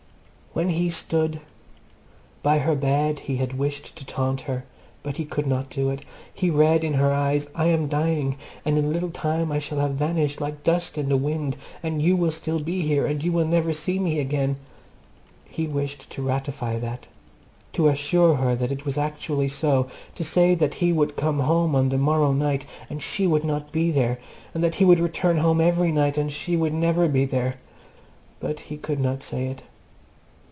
When he stood by her bed he had wished to taunt her, but he could not do it. He read in her eyes I am dying, and in a little time I shall have vanished like dust on the wind, but you will still be here, and you will never see me again He wished to ratify that, to assure her that it was actually so, to say that he would come home on the morrow night, and she would not be there, and that he would return home every night, and she would never be there. But he could not say it.